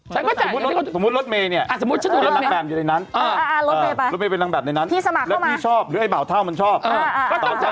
ฉันก็จะสมมุติรถเมย์นี่เป็นรังแบบในนั้นสมมุติรถเมย์เป็นรังแบบในนั้นสมมุติรถเมย์เป็นรังแบบในนั้น